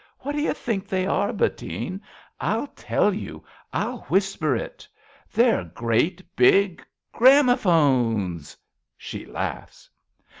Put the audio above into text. What do you think they are, Bettine ? I'll tell you. I'll whisper it. They're great big gramo phones ! {She laughs.)